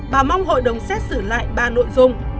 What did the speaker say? bà mong hội đồng xét xử lại ba nội dung